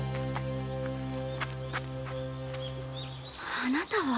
あなたは！